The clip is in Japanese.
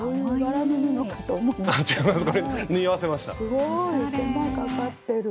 すごい手間かかってる。